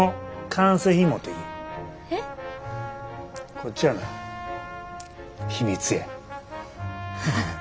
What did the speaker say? こっちはな秘密や。